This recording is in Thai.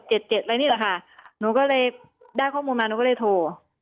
ใช่ค่ะหนูก็เลยได้ข้อมูลมาหนูก็เลยโทร